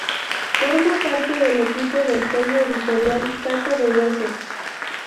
Forma parte del equipo del sello editorial Saco de Huesos.